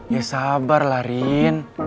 ya sabar lah rin